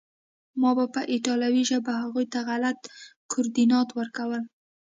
ما به په ایټالوي ژبه هغوی ته غلط کوردینات ورکول